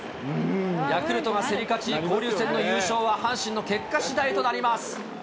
ヤクルトが競り勝ち、交流戦の優勝は阪神の結果次第となります。